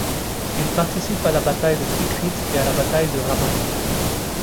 Il participe à la bataille de Tikrit et à la bataille de Ramadi.